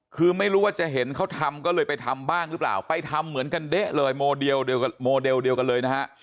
คือไม่รู้ว่าจะเห็นเขาทำก็เลยไปทำบ้างหรือเปล่าไปทำเหมือนกันเด๊ะเลยโมเดลโมเดลเดียวกันเลยนะฮะ